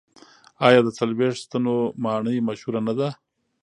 آیا د څلوېښت ستنو ماڼۍ مشهوره نه ده؟